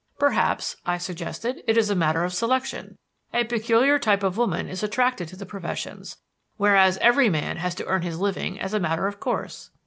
"Perhaps," I suggested, "it is a matter of selection. A peculiar type of woman is attracted to the professions, whereas every man has to earn his living as a matter of course."